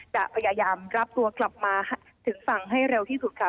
จะพยายามรับตัวกลับมาถึงฝั่งให้เร็วที่สุดค่ะ